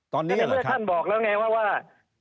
ตอนนี้เหรอครับก็เลยเมื่อท่านบอกแล้วไงว่าว่า